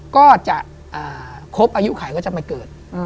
ก็จะครบอายุไขก็จะมาเกิด